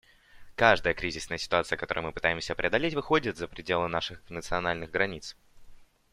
Каждая кризисная ситуация, которую мы пытаемся преодолеть, выходит за пределы наших национальных границ.